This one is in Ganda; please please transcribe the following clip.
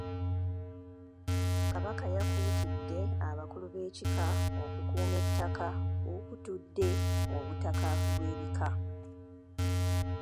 Kabaka yakuutidde abakulu b'ebika okukuuma ettaka okutudde obutaka bw'ebika.